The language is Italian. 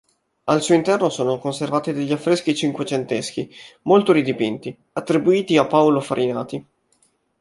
Al suo interno sono conservati degli affreschi cinquecenteschi, molto ridipinti, attribuiti a Paolo Farinati.